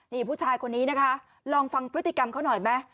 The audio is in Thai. นี่ผู้ชายคนนี้นะคะลองฟังพฤติกรรมเขาหน่อยไหม